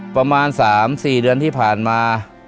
ประมาณ๓๔เดือนที่ผ่านมา